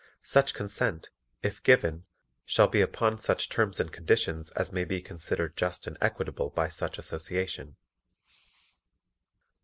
Such consent, if given, shall be upon such terms and conditions as may be considered just and equitable by such Association.